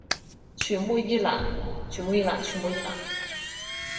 曲目一览曲目一览曲目一览